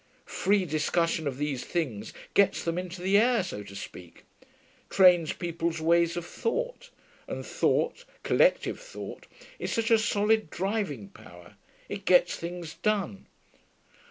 Free discussion of these things gets them into the air, so to speak; trains people's ways of thought; and thought, collective thought, is such a solid driving power; it gets things done.